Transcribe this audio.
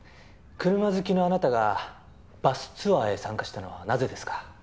車好きのあなたがバスツアーへ参加したのはなぜですか？